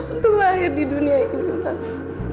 untuk lahir di dunia ini mas